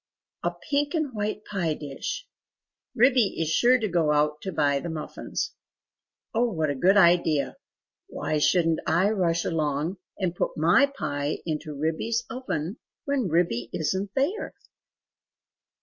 A pink and white pie dish! Ribby is sure to go out to buy the muffins..... Oh what a good idea! Why shouldn't I rush along and put my pie into Ribby's oven when Ribby isn't there?"